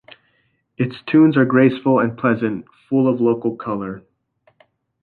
Its tunes are graceful and pleasant, full of local color.